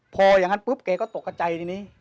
พออย่างนั้นปุ๊บแกก็ตกกระใจทีนี้